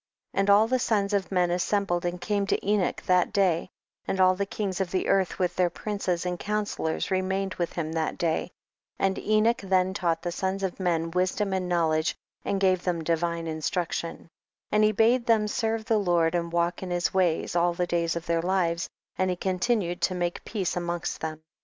31. And all the sons of men as sembled and came to Enoch that day ; and all the kings of the earth witli their princes and counsellors remained with him that day ; and Enoch then taught the sons of men wisdom and knowledge, and ^ave tliem divine instruction ; and he bade them serve the Lord and walk in his ways all the days of their lives, and he continued to make peace amongst them.